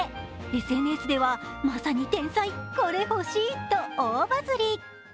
ＳＮＳではまさに天才、これ欲しいと大バズり。